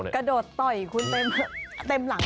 กระโดดต่อยคุณเต็มหลัง